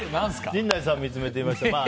陣内さんを見つめて言いました。